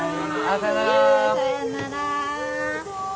さようなら。